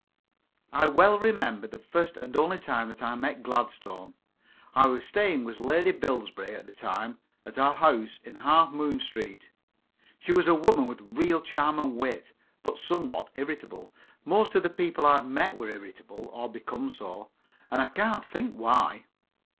I well remember the first and only time that I met Gladstone. I was staying with Lady Bilberry at the time at her house in Half Moon Street. She was a woman with real charm and wit, but somewhat irritable. Most of the people I've met were irritable or became so, and I can't think why.